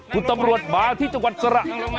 คุณตำรวจมาที่จังหวัดสระ